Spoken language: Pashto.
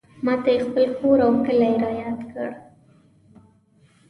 ماته یې خپل کور او کلی رایاد کړ.